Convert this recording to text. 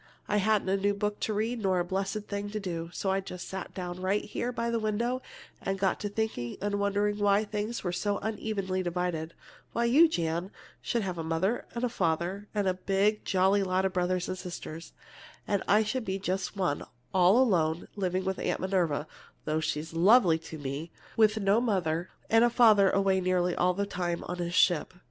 I hadn't a new book to read nor a blessed thing to do, so I sat down right here by the window and got to thinking and wondering why things were so unevenly divided why you, Jan, should have a mother and father and a big, jolly lot of brothers and sisters, and I should be just one, all alone, living with Aunt Minerva (though she's lovely to me), with no mother, and a father away nearly all the time on his ship.